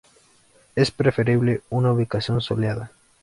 Es preferible una ubicación soleada.